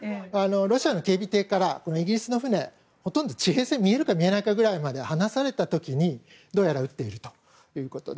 ロシアの警備艇からイギリスの船ほとんど地平線が見えるか見えないかぐらいまで離された時にどうやら撃っているということで。